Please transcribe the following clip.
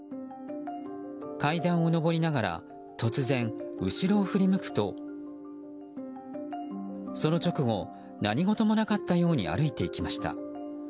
階段を上りながら突然後ろを振り向くとその直後、何事もなかったように歩いていきました。